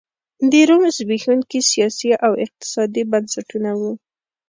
د روم زبېښونکي سیاسي او اقتصادي بنسټونه وو